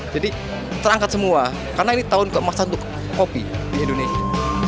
jadi terangkat semua karena ini tahun kemasan untuk kopi di indonesia